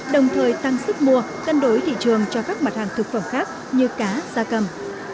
đồng thời tăng sức mua cân đối thị trường cho các mặt hàng thực phẩm khác như cá da cầm